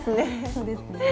そうですね。